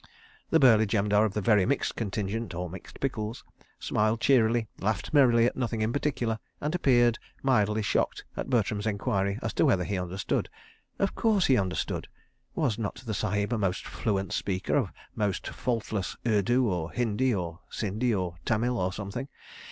The burly Jemadar of the Very Mixed Contingent, or Mixed Pickles, smiled cheerily, laughed merrily at nothing in particular, and appeared mildly shocked at Bertram's enquiry as to whether he understood. Of course, he understood! Was not the Sahib a most fluent speaker of most faultless Urdu, or Hindi, or Sindhi, or Tamil or something?